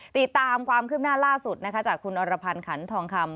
ติดตามความคืบหน้าล่าสุดนะคะจากคุณอรพันธ์ขันทองคำ